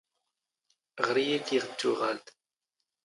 ⵖⵔ ⵉⵢⵉ ⴽⵉⵖ ⴷ ⵜⵓⵖⴰⵍⴷ.